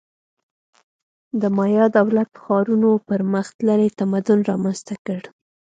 د مایا دولت-ښارونو پرمختللی تمدن رامنځته کړ.